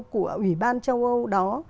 của ủy ban châu âu đó